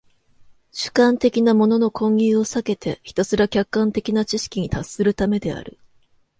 主観的なものの混入を避けてひたすら客観的な知識に達するためである。